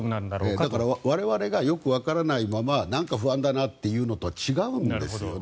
だから我々がよくわからないままなんか不安だなというのとは違うんですね。